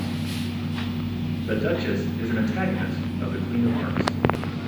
The Duchess is an antagonist of The Queen of Hearts.